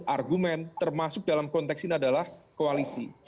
argumen termasuk dalam konteks ini adalah koalisi